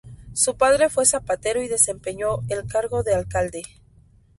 Su padre fue zapatero y desempeñó el cargo de alcalde.